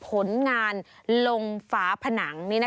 ผลงานลงฝาผนัง